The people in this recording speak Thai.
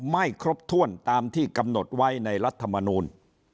ไม่ครบถ้วนตามที่กำหนดไว้ในรัฐมนูล